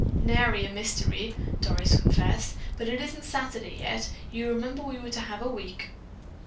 "Nary a mystery," Doris confessed, "but it isn't Saturday yet. You remember we were to have a week."